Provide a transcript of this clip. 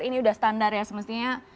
ini sudah standar ya semestinya